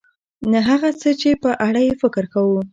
نه هغه څه چې په اړه یې فکر کوو .